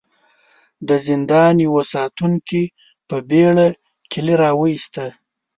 د زندان يوه ساتونکي په بېړه کيلې را وايسته.